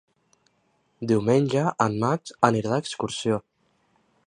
Diumenge en Max anirà d'excursió.